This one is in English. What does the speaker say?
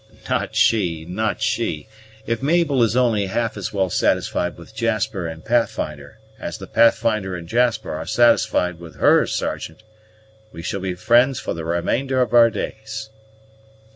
"Not she, not she. If Mabel is only half as well satisfied with Jasper and Pathfinder as the Pathfinder and Jasper are satisfied with her, Sergeant, we shall be friends for the remainder of our days."